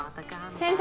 先生！